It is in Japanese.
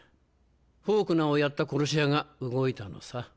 フォークナーをやった殺し屋が動いたのさ。